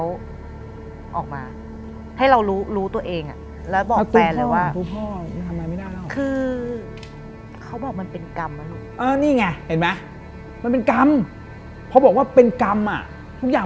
อะอันนี่ไงเห็นไหม